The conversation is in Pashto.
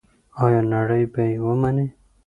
آیا نړۍ به یې ومني؟